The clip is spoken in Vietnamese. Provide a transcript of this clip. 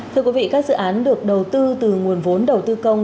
thưa quý vị các dự án được đầu tư từ nguồn vốn đầu tư công